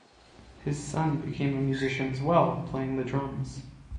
His son became a musician as well, playing the drums.